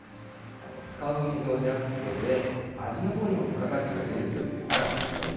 使う水を減らすことで、味のほうにも付加価値が出るという新たな農法。